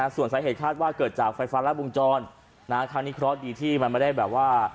ส่วนสาเหตุคาดว่าเกิดจากไฟฟ้ารัดวงจรครั้งนี้เคราะห์ดีที่มันไม่ได้แบบว่า